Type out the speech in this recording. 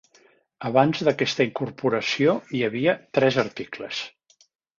Abans d'aquesta incorporació hi havia tres articles.